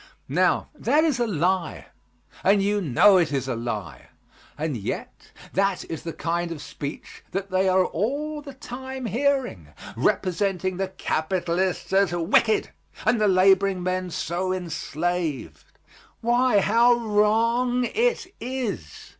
Now, that is a lie, and you know it is a lie; and yet that is the kind of speech that they are all the time hearing, representing the capitalists as wicked and the laboring men so enslaved. Why, how wrong it is!